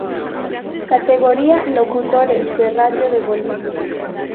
Categoría.Locutores de radio de Bolivia